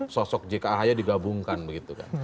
sosok jk ahaya digabungkan begitu kan